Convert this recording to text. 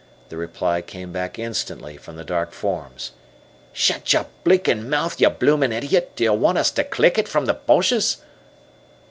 The reply came back instantly from the dark forms: "Shut your blinkin' mouth, you bloomin' idiot; do you want us to click it from the Boches?"